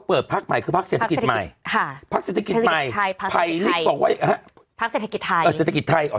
ภักดิ์เศรษฐกิจไทย